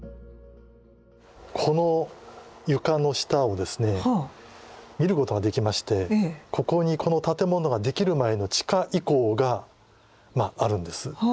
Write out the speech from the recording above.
この床の下をですね見ることができましてここにこの建物ができる前の地下遺構があるんです。